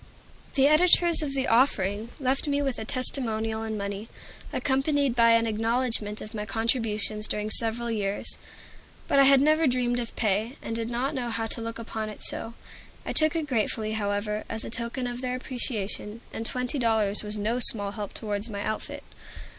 The editors of the "Offering" left with me a testimonial in money, accompanied by an acknowledgment of my contributions during several years; but I had never dreamed of pay, and did not know how to look upon it so. I took it gratefully, however, as a token of their appreciation, and twenty dollars was no small help toward my outfit.